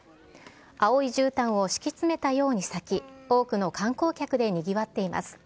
青いじゅうたんを敷き詰めたように咲き、多くの観光客でにぎわっています。